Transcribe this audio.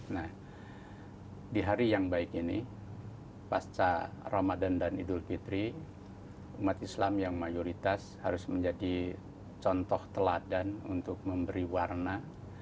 nah di hari yang baik ini pasca ramadan dan idul fitri umat islam yang mayoritas harus menjadi contoh teladan untuk memberi warna